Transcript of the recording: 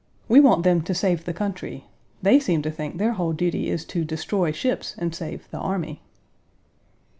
We want them to save the country. They seem to think their whole duty is to destroy ships and save the army.